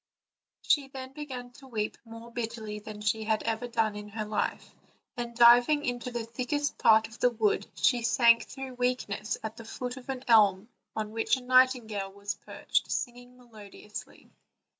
She then began to weep more bitterly than she had ever done in her life, and diving into the thickest part of the wood, she sank through weakness at the foot of an elm on which a nightingale was perched singing most melodiously.